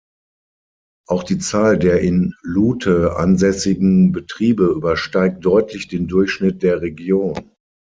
Auch die Zahl der in Luthe ansässigen Betriebe übersteigt deutlich den Durchschnitt der Region.